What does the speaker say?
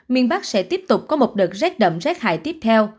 miền bắc sẽ tiếp tục có một đợt rét đậm rét hại tiếp theo